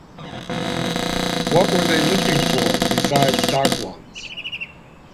What were they looking for besides dark ones?